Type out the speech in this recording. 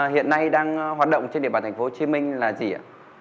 hiện nay đang hoạt động trên địa bàn thành phố hồ chí minh là gì ạ